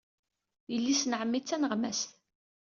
Yelli-s n ɛemmi d taneɣmast.